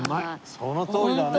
そのとおりだね。